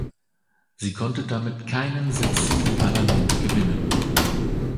Sie konnte damit keinen Sitz im Parlament gewinnen.